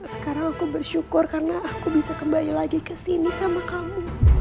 sekarang aku bersyukur karena aku bisa kembali lagi ke sini sama kamu